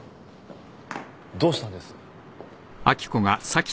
どうしたんです？